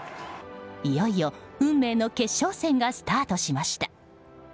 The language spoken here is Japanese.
いよいよ、運命の決勝戦がスタートしました。